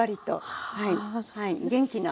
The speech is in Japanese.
元気な。